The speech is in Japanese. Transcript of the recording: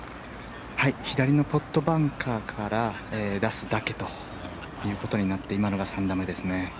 左のポットバンカーから出すだけということになって今のが３打目です。